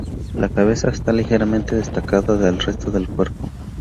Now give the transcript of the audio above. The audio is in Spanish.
La cabeza está ligeramente destacada del resto del cuerpo.